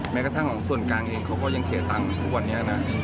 แม้กระทั่งของส่วนกลางเองเขาก็ยังเสียตังค์ทุกวันนี้นะ